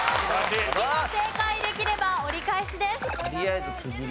次も正解できれば折り返しです。